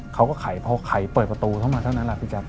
เขาก็ไขพอไขเปิดประตูเข้ามาเท่านั้นแหละพี่แจ๊